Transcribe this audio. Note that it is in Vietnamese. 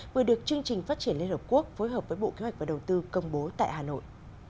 vừa được chương trình phát triển liên hợp quốc phối hợp với bộ kế hoạch và đầu tư công bố tại hà nội